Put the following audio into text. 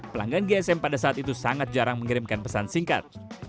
pelanggan gsm pada saat itu sangat jarang mengirimkan pesan singkat